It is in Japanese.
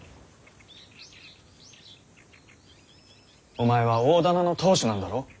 お前は大店の当主なんだろう？